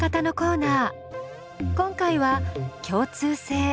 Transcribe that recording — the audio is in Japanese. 今回は「共通性」。